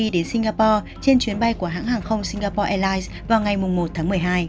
cô đã trở về đến singapore trên chuyến bay của hãng hàng không singapore airlines vào ngày một tháng một mươi hai